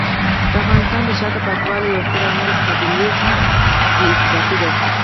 د افغانستان د شاته پاتې والي یو ستر عامل قبایلي بې ثباتي دی.